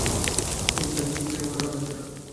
কিন্তু তার চিৎকারেও কোনো শব্দ হচ্ছে না।